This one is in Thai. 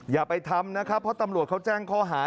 อย่าไปทำนะครับเพราะตำรวจเขาแจ้งข้อหา